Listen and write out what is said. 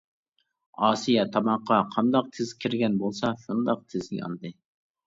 ئاسىيە تاماققا قانداق تېز كىرگەن بولسا شۇنداق تېز ياندى.